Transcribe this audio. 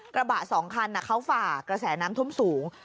กระบะสองคันอ่ะเค้าฝากกระแสน้ำทุ่มสูง